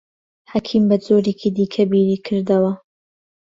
حەکیم بە جۆرێکی دیکە بیری کردەوە.